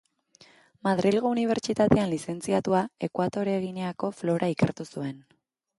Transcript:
Madrilgo Unibertsitatean lizentziatua, Ekuatore Gineako flora ikertu zuen.